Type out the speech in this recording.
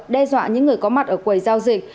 đe dọa những người có mặt ở quầy giao dịch